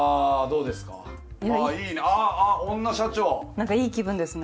何かいい気分ですね。